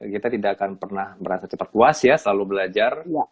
kita tidak akan pernah merasa cepat puas ya selalu belajar